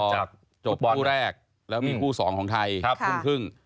พอจบคู่แรกแล้วมีคู่สองของไทยพรุ่งครึ่ง